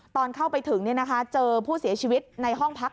ตอนเข้าไปถึงเจอผู้เสียชีวิตในห้องพัก